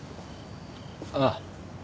ああ。